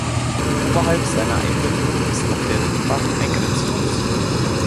Oberhalb seiner Einmündung ist auch der Rickenbach ein Grenzfluss.